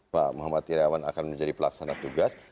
pak muhammad iryawan akan menjadi pelaksana tugas